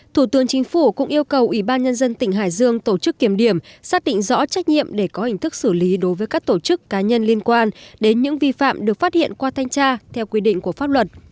thủ tướng chính phủ cũng yêu cầu ủy ban nhân dân tỉnh hải dương tổ chức kiểm điểm xác định rõ trách nhiệm để có hình thức xử lý đối với các tổ chức cá nhân liên quan đến những vi phạm được phát hiện qua thanh tra theo quy định của pháp luật